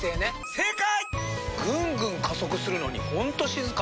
正解！